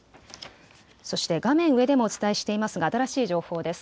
そして画面上でもお伝えしていますが新しい情報です。